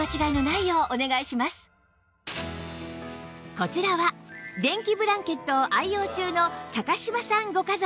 こちらは電気ブランケットを愛用中の柴さんご家族